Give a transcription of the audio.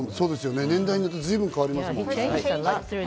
年代によって随分変わりますもんね。